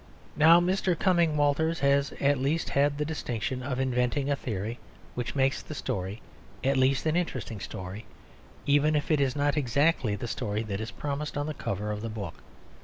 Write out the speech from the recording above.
Now, Mr. Cumming Walters has at least had the distinction of inventing a theory which makes the story at least an interesting story, even if it is not exactly the story that is promised on the cover of the book.